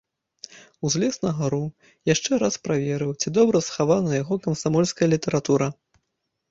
Узлез на гару, яшчэ раз праверыў, ці добра схавана яго камсамольская літаратура.